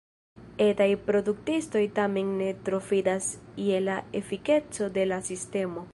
Etaj produktistoj tamen ne tro fidas je la efikeco de la sistemo.